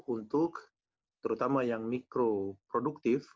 untuk terutama yang mikro produktif